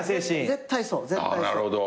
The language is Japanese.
絶対そう絶対そう。